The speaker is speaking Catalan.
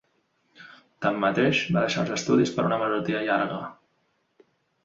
Tanmateix, va deixar els estudis per una malaltia llarga.